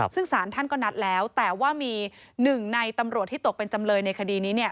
ซึ่งสารท่านก็นัดแล้วแต่ว่ามีหนึ่งในตำรวจที่ตกเป็นจำเลยในคดีนี้เนี่ย